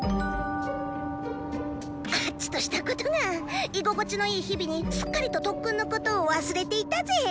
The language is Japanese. あッチとしたことが居心地のいい日々にすっかりと特訓のことを忘れていたぜ！